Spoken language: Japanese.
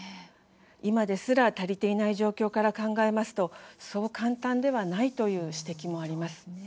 今ですら足りていない状況から考えますとそう簡単ではないという指摘もあります。